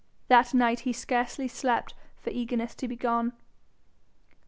That night he scarcely slept for eagerness to be gone.